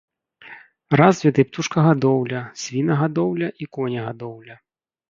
Развіты птушкагадоўля, свінагадоўля і конегадоўля.